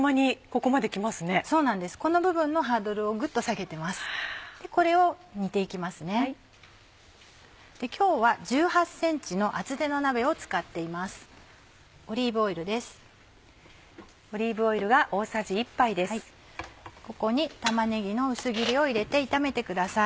ここに玉ねぎの薄切りを入れて炒めてください。